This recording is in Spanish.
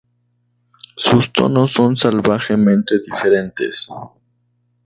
Sus tonos son salvajemente diferentes.